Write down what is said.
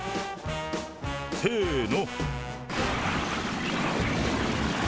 せーの。